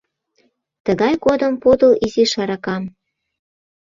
— Тыгай годым подыл изиш аракам.